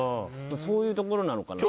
そういうところなのかな。